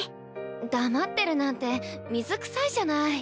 黙ってるなんて水くさいじゃない。